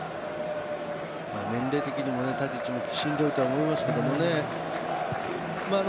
年齢的にもタディッチもしんどいと思いますけれどね。